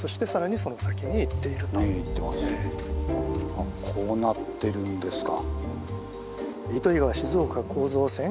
あこうなってるんですか。